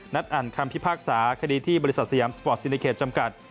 อ่านคำพิพากษาคดีที่บริษัทสยามสปอร์ตซิลิเขตจำกัด